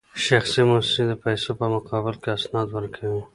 شخصي موسسې د پیسو په مقابل کې اسناد ورکوي